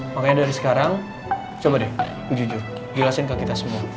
makanya dari sekarang coba deh jujur jelasin ke kita semua